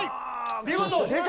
見事正解！